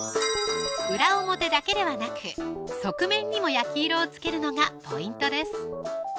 裏表だけではなく側面にも焼き色をつけるのがポイントです